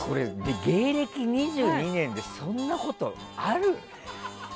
芸歴２２年でそんなことある？